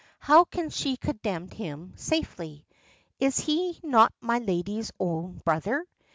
How can she condemn him safely? Is he not my lady's own brother?